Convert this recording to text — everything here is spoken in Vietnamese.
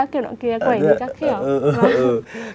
kiểu nội kia quẩy mình chắc kiểu